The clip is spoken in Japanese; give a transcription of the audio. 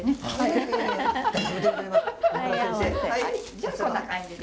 じゃあこんな感じで！